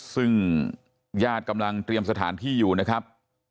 ซึ่งญาติกำลังเตรียมสถานที่อยู่นะครับ